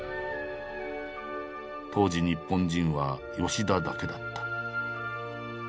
当時日本人は吉田だけだった。